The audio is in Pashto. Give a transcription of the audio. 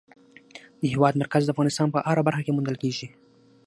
د هېواد مرکز د افغانستان په هره برخه کې موندل کېږي.